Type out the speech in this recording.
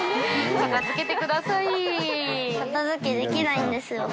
片付けできないんですよ。